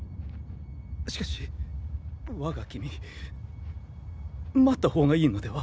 しかしわが君待った方がいいのでは？